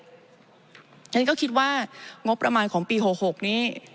ฉันก็คิดว่างบประมาณของปี๖๖นี้